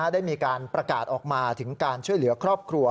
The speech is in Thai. ได้มีการประกาศออกมาถึงการช่วยเหลือครอบครัว